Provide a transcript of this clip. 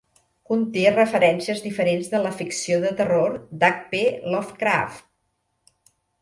Conté referències diferents de la ficció de terror d'H. P. Lovecraft.